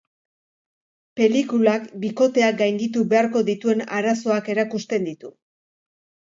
Pelikulak bikoteak gainditu beharko dituen arazoak erakusten ditu.